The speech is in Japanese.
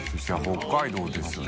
北海道ですよね。